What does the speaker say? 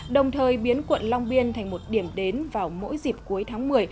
đồng thời biến quận long biên thành một điểm đến vào mỗi dịp cuối tháng một mươi